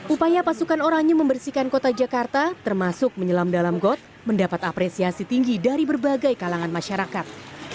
upaya pasukan orangnya membersihkan kota jakarta termasuk menyelam dalam got mendapat apresiasi tinggi dari berbagai kalangan masyarakat